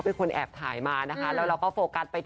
ไม่ใช่ใส่กระโปรกนะ